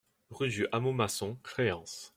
Rue du Hameau Maçon, Créances